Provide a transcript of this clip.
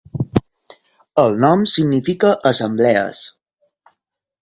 El nom significa "assemblees".